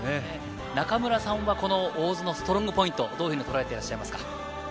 中村さんは大津のストロングポイント、どのようにとらえてらっしゃいますか？